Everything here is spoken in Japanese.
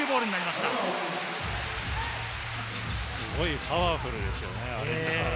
すごいパワフルですよね。